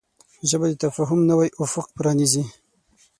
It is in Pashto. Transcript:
ژبه د تفاهم نوی افق پرانیزي